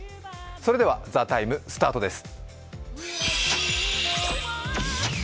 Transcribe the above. それでは、「ＴＨＥＴＩＭＥ，」スタートです。